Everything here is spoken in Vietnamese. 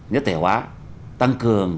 nhất thể hóa tăng cường